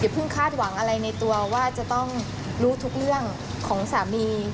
เพิ่งคาดหวังอะไรในตัวว่าจะต้องรู้ทุกเรื่องของสามี